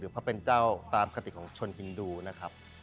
พระเป็นเจ้าตามคติของชนฮินดูนะครับ